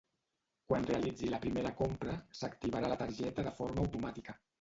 Quan realitzi la primera compra s'activarà la targeta de forma automàtica.